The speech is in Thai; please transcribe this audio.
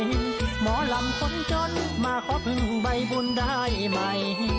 หมอลำคนจนมาขอพึ่งใบบุญได้ไหม